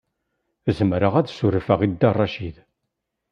Zemreɣ ad surfeɣ i Dda Racid.